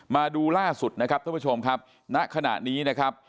มาดูล่าสุดนะครับทุกผู้ชมนะขณะนี้นะครับ